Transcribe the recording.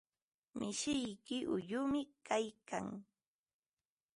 Mishiyki uyumi kaykan.